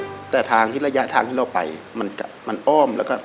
๔๕ฮแต่ทางที่เรานายไปมันอ่อม